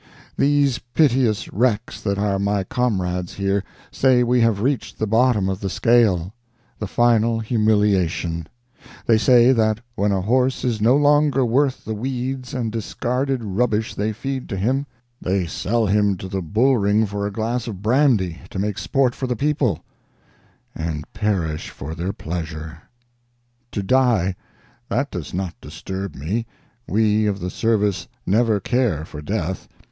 These piteous wrecks that are my comrades here say we have reached the bottom of the scale, the final humiliation; they say that when a horse is no longer worth the weeds and discarded rubbish they feed to him, they sell him to the bull ring for a glass of brandy, to make sport for the people and perish for their pleasure. To die—that does not disturb me; we of the service never care for death.